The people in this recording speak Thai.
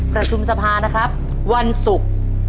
ประชุมสภานะครับวันศุกร์